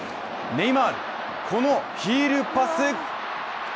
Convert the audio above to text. ネイマール、このヒールパス